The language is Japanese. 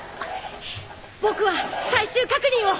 僕は最終確認を。